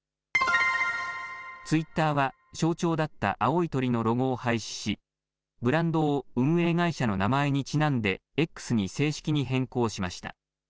ツイッターは象徴だった青い鳥のロゴを廃止しブランドを運営会社の名前にちなんでＸに正式に変更しました。